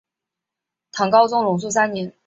唐高宗龙朔三年。